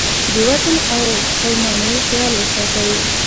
د وزن او پیمانې خیال ساتئ.